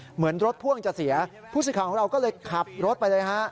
เหมือนรถพ่วงจะเสียผู้เสียงของเราก็เลยขับรถไปเลย